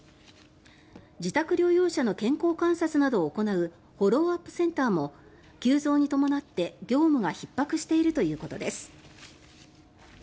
自宅療養者の健康観察などを行うフォローアップセンターも急増に伴って業務がひっ迫しているということです。